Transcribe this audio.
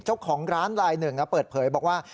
เจ้าของร้านลาย๑เปิดเผยบอกว่า